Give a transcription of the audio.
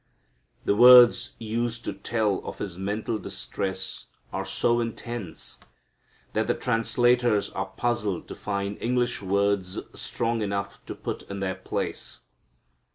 The words used to tell of His mental distress are so intense that the translators are puzzled to find English words strong enough to put in their place.